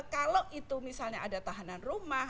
kalau itu misalnya ada tahanan rumah